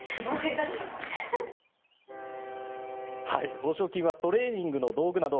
報奨金はトレーニングの道具など